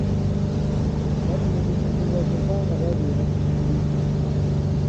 Batulugunyizibwa kyokka nga babeera ku mirimu.